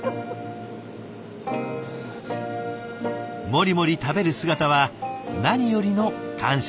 もりもり食べる姿は何よりの感謝の証し。